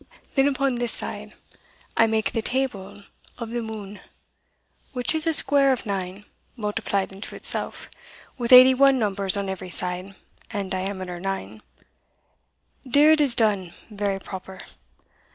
Then upon this side I make de table of de moon, which is a square of nine, multiplied into itself, with eighty one numbers on every side, and diameter nine dere it is done very proper.